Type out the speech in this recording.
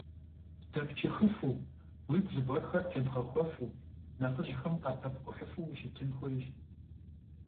Дэпчыхыфу, уигу зыгуэрхэр тебгъэхуэфу, нэхъыжьхэм къапэпкӀухьыфу ущытын хуейщ.